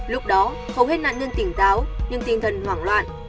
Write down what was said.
lúc đó hầu hết nạn nhân tỉnh táo nhưng tinh thần hoảng loạn